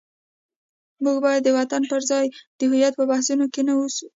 موږ باید د وطن پر ځای د هویت په بحثونو کې نه ونیو.